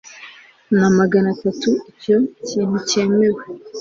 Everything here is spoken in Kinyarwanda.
na maganatanu icyo kintu cyemewe